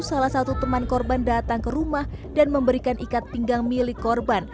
salah satu teman korban datang ke rumah dan memberikan ikat pinggang milik korban